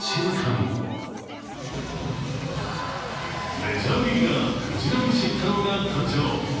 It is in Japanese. メジャーリーガー、藤浪晋太郎が誕生。